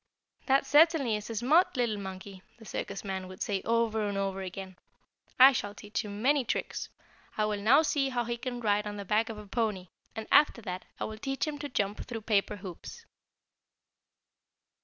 "That certainly is a smart little monkey!" the circus man would say over and over again. "I shall teach him many tricks. I will now see how he can ride on the back of a pony, and, after that, I will teach him to jump through paper hoops."